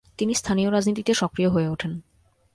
তিনি স্থানীয় রাজনীতিতে সক্রিয় হয়ে উঠেন।